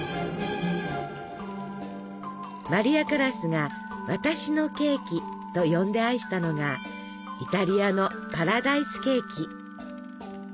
マリア・カラスが「私のケーキ」と呼んで愛したのがイタリアのパラダイスケーキ。